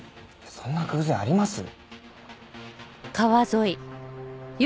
そんな偶然あります？